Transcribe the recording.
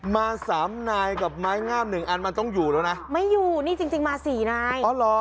มาสามนายกับไม้งามหนึ่งอันมันต้องอยู่แล้วนะไม่อยู่นี่จริงจริงมาสี่นายอ๋อเหรอ